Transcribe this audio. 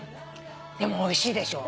でもおいしいでしょ。